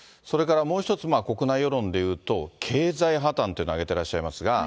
それからもう一つ、国内世論でいうと、経済破綻というのを挙げていらっしゃいますが。